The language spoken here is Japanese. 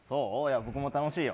僕も楽しいよ。